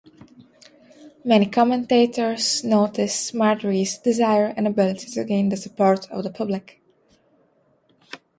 Many commentators notice Margaery's desire and ability to gain the support of the public.